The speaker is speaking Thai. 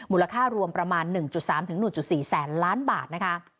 มูลค่ารวมประมาณ๑๓๑๔แสนล้านบาทนะคะ